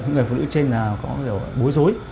người phụ nữ trên là có hiệu bối rối